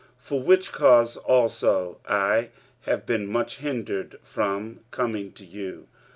45:015:022 For which cause also I have been much hindered from coming to you.